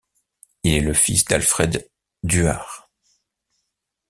Il est le fils d'Alfred d'Huart.